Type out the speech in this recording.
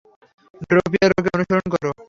ড্রপিয়র, ওকে অনুসরণ করো।